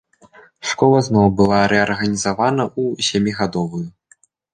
Школа зноў была рэарганізавана ў сямігадовую.